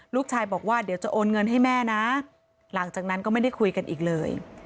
ลูกชายบอกว่าเดี๋ยวจะโอนเงินให้แม่นะหลังจากนั้นก็ไม่ได้คุยกันอีกเลย